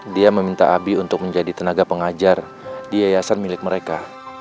dia meminta abi untuk menjadi tenaga pengajar di yayasan milik mereka